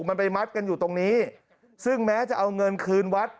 มันไปมัดกันอยู่ตรงนี้ซึ่งแม้จะเอาเงินคืนวัด